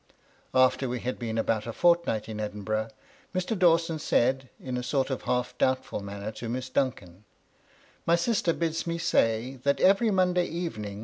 After we had been about a fortnight in Edinburgh, Mr. Dawson said, in a sort of half doubtful manner to Miss Duncan —" My sister bids me say, that every Monday evening 6 BOUND THE SOFA.